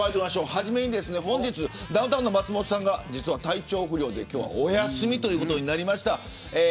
初めに、本日ダウンタウンの松本さんが実は体調不良で今日はお休みということになりました。